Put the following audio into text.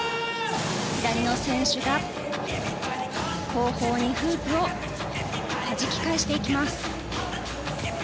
左の選手が後方にフープをはじき返していきます。